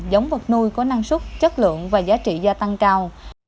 giống vật nuôi có năng suất chất lượng và giá trị gia tăng cao